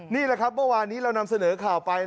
นี่แหละครับเมื่อวานนี้เรานำเสนอข่าวไป